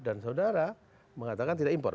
dan saudara mengatakan tidak impor